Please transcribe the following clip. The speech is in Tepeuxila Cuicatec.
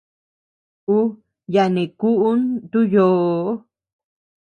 Uu yaʼa neʼë kuʼu ntu yoo.